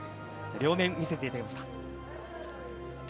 両面、見せていただけますか。